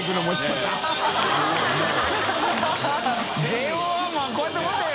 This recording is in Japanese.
ＪＯ１もこうやって持てよ。